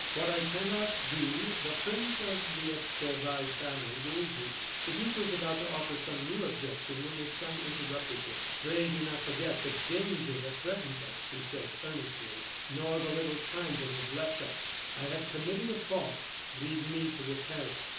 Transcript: What I cannot do the friends of the Escorval family will do." The duke was about to offer some new objection when his son interrupted him. "Pray do not forget the danger that threatens us," he said, earnestly, "nor the little time that is left us. I have committed a fault, leave me to repair it."